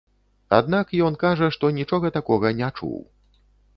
Аднак ён кажа, што нічога такога не чуў.